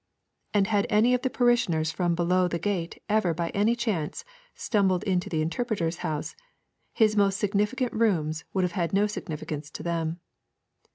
And had any of the parishioners from below the gate ever by any chance stumbled into the Interpreter's house, his most significant rooms would have had no significance to them.